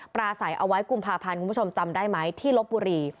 อาศัยเอาไว้กุมภาพันธ์คุณผู้ชมจำได้ไหมที่ลบบุรี